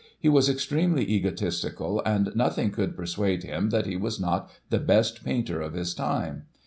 He was extremely egotistical, and nothing could persuade him that he was not the best painter of his time.